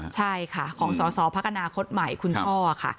ใช่ค่ะของสอสอพักอนาคตใหม่คุณช่อค่ะ